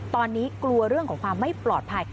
ตอนนี้กลัวเรื่องของความไม่ปลอดภัย